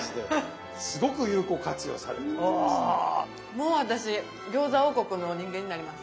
もう私餃子王国の人間になります。